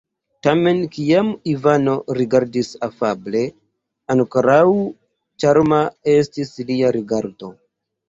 Tamen, kiam Ivano rigardis afable, ankoraŭ ĉarma estis lia rigardo.